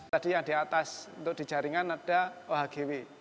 tadi yang di atas untuk dijaringan ada ohgw